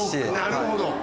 なるほど。